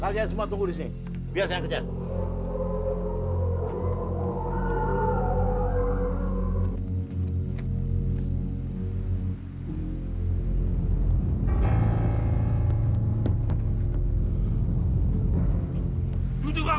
kalian semua tunggu di sini biar saya kerja